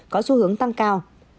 có xu hướng tăng cao